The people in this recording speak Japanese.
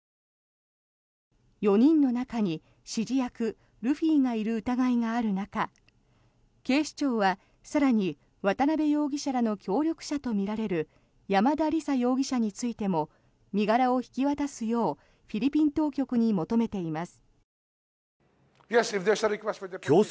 ４人の中に指示役・ルフィがいる疑いがある中警視庁は更に渡邉容疑者らの協力者とみられる山田李沙容疑者についても身柄を引き渡すようフィリピン当局に求めています。